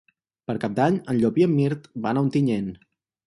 Per Cap d'Any en Llop i en Mirt van a Ontinyent.